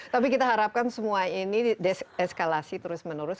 tapi kita harapkan semua ini di eskalasi terus menerus